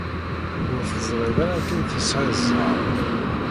Ur teẓṛiḍ ara akken tesɛid ẓheṛ.